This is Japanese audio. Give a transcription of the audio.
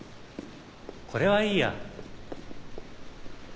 これはいいや。